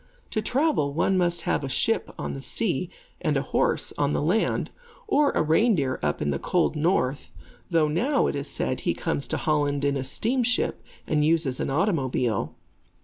To travel, one must have a ship on the sea and a horse on the land, or a reindeer up in the cold north; though now, it is said, he comes to Holland in a steamship, and uses an automobile.